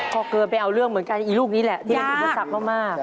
ก็เกินไปเอาเรื่องเหมือนกันอีลูกนี้แหละที่มีโทรศัพท์มามาก